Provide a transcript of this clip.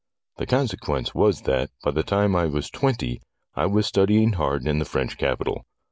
The consequence was that, by the time I was twenty, I was studying hard in the French capital.